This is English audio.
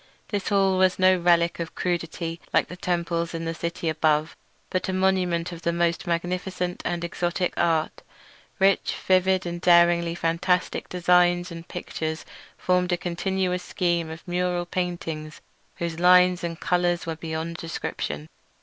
This hall was no relic of crudity like the temples in the city above, but a monument of the most magnificent and exotic art. Rich, vivid, and daringly fantastic designs and pictures formed a continuous scheme of mural painting whose lines and colours were beyond description.